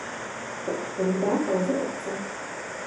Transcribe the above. To odpovídá poloze obce.